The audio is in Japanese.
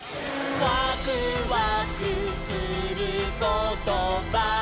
「ワクワクすることばかり」